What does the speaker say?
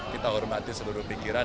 kita hormati seluruh pikiran